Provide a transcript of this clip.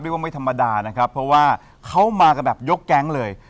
ไม่ธรรมดานะครับเพราะว่าเขามากันแบบยกแก๊งเลย